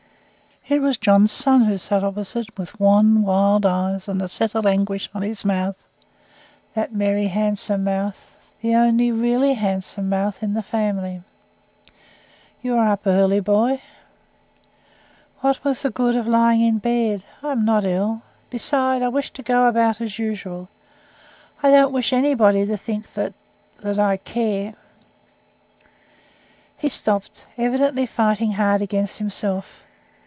It was John's son, who sat opposite, with wan, wild eyes, and a settled anguish on his mouth that merry, handsome mouth the only really handsome mouth in the family. "You are up early, my boy." "What was the good of lying in bed? I am not ill. Besides, I wish to go about as usual. I don't wish anybody to think that that I care." He stopped evidently fighting hard against himself.